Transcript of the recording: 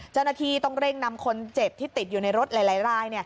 เจ้าหน้าที่ต้องเร่งนำคนเจ็บที่ติดอยู่ในรถหลายราย